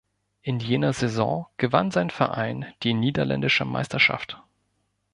In jener Saison gewann sein Verein die niederländische Meisterschaft.